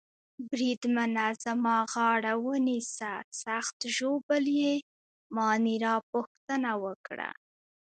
بریدمنه زما غاړه ونیسه، سخت ژوبل يې؟ مانیرا پوښتنه وکړه.